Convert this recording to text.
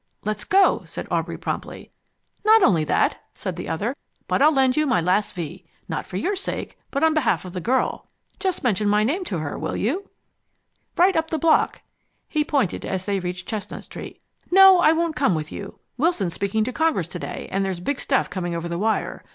"Let's go," said Aubrey promptly. "Not only that," said the other, "but I'll lend you my last V. Not for your sake, but on behalf of the girl. Just mention my name to her, will you? "Right up the block," he pointed as they reached Chestnut Street. "No, I won't come with you, Wilson's speaking to Congress to day, and there's big stuff coming over the wire.